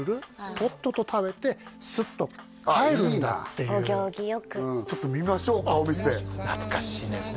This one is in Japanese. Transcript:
とっとと食べてスッと帰るんだっていうお行儀よくうんちょっと見ましょうかお店懐かしいですね